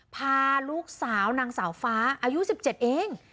พาลูกสาวนางสาวฟ้าอายุสิบเจ็ดเอง